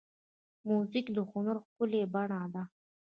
موزیک د هنر ښکلې بڼه ده.